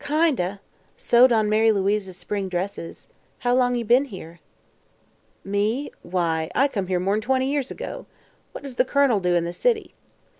"Kind o'. Sewed on Mary Louise's spring dresses. How long you been here?" "Me? Why, I come here more'n twenty years ago. What does the Colonel do in the city?"